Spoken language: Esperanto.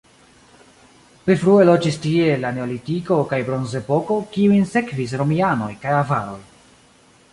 Pli frue loĝis tie en la neolitiko kaj bronzepoko, kiujn sekvis romianoj kaj avaroj.